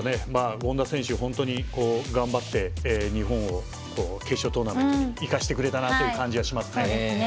権田選手、本当に頑張って日本を決勝トーナメントに行かせてくれた感じがしますね。